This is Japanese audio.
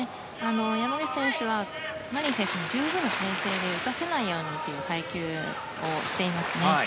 山口選手はマリン選手に十分な体勢で打たせないようにという配球をしていますね。